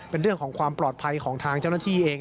เป็นเรื่องของความปลอดภัยของทางเจ้าหน้าที่เอง